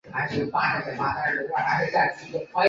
同盟国军事占领日本时禁止武道课程。